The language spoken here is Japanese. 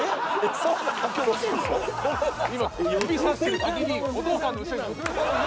今指さしてる先にお父さんの後ろに娘さんが。